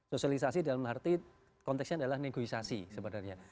sosialisasi dalam arti konteksnya adalah negosiasi sebenarnya